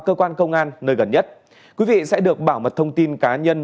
cơ quan công an nơi gần nhất quý vị sẽ được bảo mật thông tin cá nhân